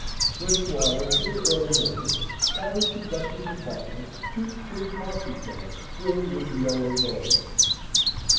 Swiftwater, in the early morning, carried to Gussie's apartments two tin coffee cans filled with the yellow gold.